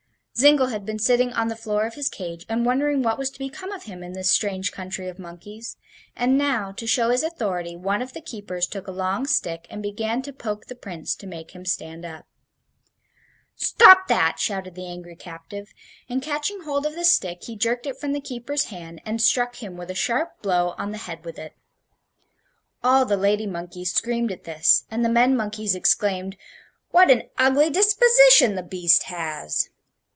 Zingle had been sitting on the floor of his cage and wondering what was to become of him in this strange country of monkeys, and now, to show his authority, one of the keepers took a long stick and began to poke the Prince to make him stand up. "Stop that!" shouted the angry captive, and catching hold of the stick he jerked it from the keeper's hand and struck him a sharp blow on the head with it. All the lady monkeys screamed at this, and the men monkeys exclaimed: "What an ugly disposition the beast has!"